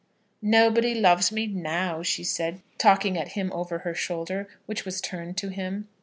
"Nobody loves me now," she said, talking at him over her shoulder, which was turned to him.